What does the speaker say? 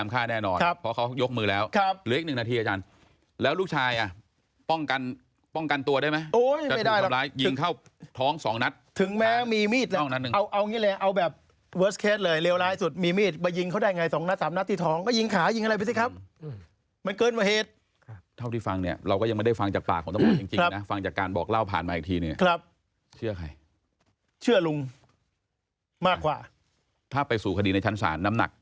มันอยู่ในมุ้งต้องไปเปิดมุ้งถ้ามันคุ้มข้างมันจะไปอยู่ในมุ้งไหม